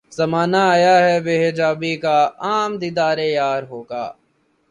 زمانہ آیا ہے بے حجابی کا عام دیدار یار ہوگا